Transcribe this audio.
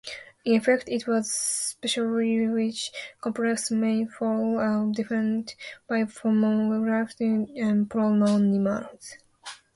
In effect it says precisely which complex manifolds are defined by homogeneous polynomials.